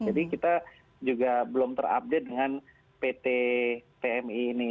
jadi kita juga belum terupdate dengan pt tmi ini